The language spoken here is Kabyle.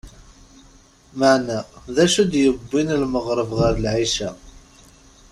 Maɛna d acu d-yewwin lmeɣreb ɣer lɛica ?